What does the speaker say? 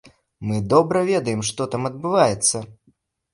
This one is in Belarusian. Мы добра ведаем, што там адбываецца.